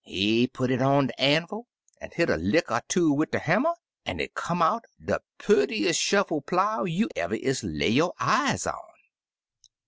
He put it on de anvil, an' hit a lick er two wid de hammer, an' it come out de purtiest shovel plow you ever is lay yo' eyes on.